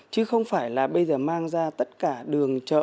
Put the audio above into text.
chứ không phải là bây giờ mang ra tất cả đường chợ